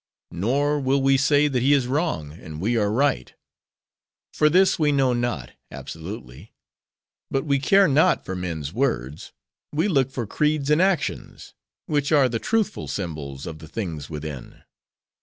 Nor will we say that he is wrong, and we are right; for this we know not, absolutely. But we care not for men's words; we look for creeds in actions; which are the truthful symbols of the things within.